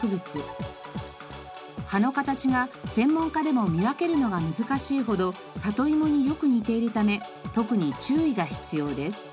葉の形が専門家でも見分けるのが難しいほどサトイモによく似ているため特に注意が必要です。